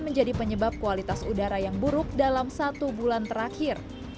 menjadi penyebab kualitas udara yang buruk dalam satu bulan terakhir